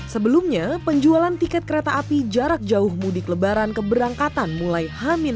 sebelumnya penjualan tiket kereta api jarak jauh mudik lebaran keberangkatan mulai h tiga